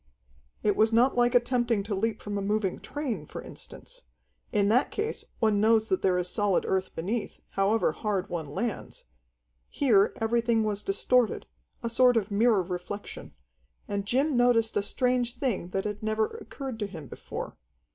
It was not like attempting to leap from a moving train, for instance. In that case one knows that there is solid earth beneath, however hard one lands. Here everything was distorted, a sort of mirror reflection. And Jim noticed a strange thing that had never occurred to him before.